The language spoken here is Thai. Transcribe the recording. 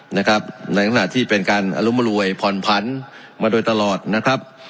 ในขณะที่เป็นการอรุมรวยผ่อนผันมาโดยตลอดนะครับ